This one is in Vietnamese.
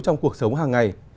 trong cuộc sống hàng ngày